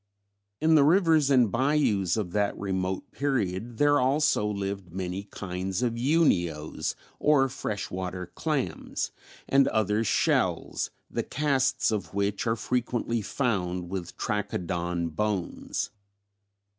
In the rivers and bayous of that remote period there also lived many kinds of Unios or fresh water clams, and other shells, the casts of which are frequently found with Trachodon bones.